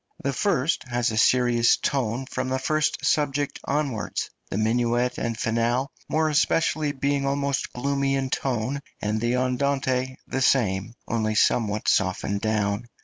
The first has a serious tone from the first subject onwards, the minuet and finale more especially being almost gloomy in tone, and the andante the same, only somewhat softened down.